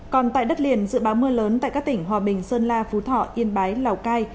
còn tại đất liền dự báo mưa lớn tại các tỉnh hòa bình sơn la phú thọ yên bái lào cai